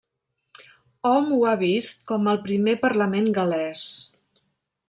Hom ho ha vist com el primer Parlament gal·lès.